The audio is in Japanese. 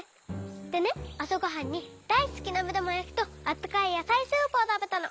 でねあさごはんにだいすきなめだまやきとあったかいやさいスープをたべたの。